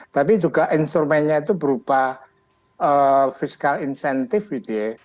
tapi juga instrumennya itu berupa fiscal incentive